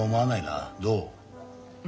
どう？